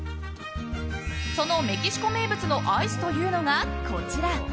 そのメキシコ名物のアイスというのが、こちら。